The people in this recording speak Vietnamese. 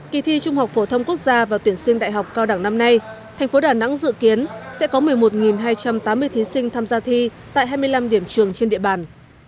kỳ thi trung học phổ thông quốc gia và tuyển sinh đại học cao đẳng năm nay thành phố đà nẵng dự kiến sẽ có một mươi một hai trăm tám mươi thí sinh tham gia thi tại hai mươi năm điểm trường trên địa bàn